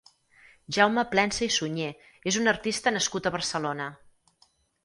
Jaume Plensa i Suñé és un artista nascut a Barcelona.